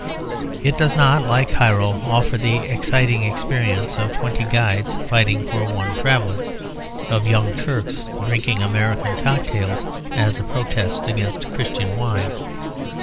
It does not, like Cairo, offer the exciting experience of twenty guides fighting for one traveller; of young Turks drinking American cocktails as a protest against Christian wine.